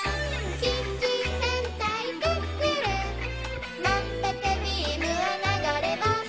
「キッチン戦隊クックルン」「まんぷくビームは流れ星」